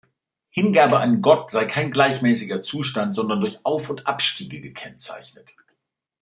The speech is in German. Hingabe an Gott sei kein gleichmäßiger Zustand, sondern durch Auf- und Abstiege gekennzeichnet.